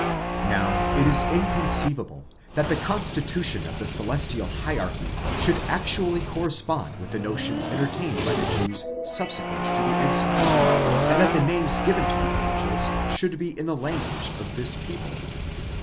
Now it is inconceivable that the constitution of the celestial hierarchy should actually correspond with the notions entertained by the Jews subsequent to the exile ; and that the names given to the angels should be in the language of this people.